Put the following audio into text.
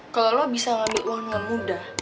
kalau lo bisa ngambil uang dengan mudah